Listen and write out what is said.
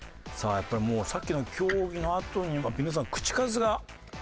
やっぱりもうさっきの競技のあとには皆さん口数がね。